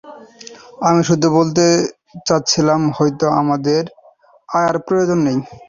আমি শুধু বলতে চাচ্ছিলাম, হয়তো আমাদের আয়ার প্রয়োজন নেই।